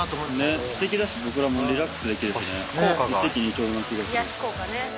すてきだし僕らリラックスできるしね一石二鳥な気がする。